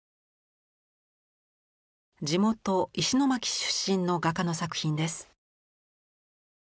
地元石巻出身の画家の作品です。